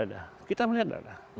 ya kita melihat ada